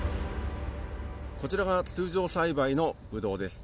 こちらが通常栽培のブドウです。